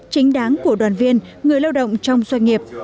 chính đáng của đoàn viên người lao động trong doanh nghiệp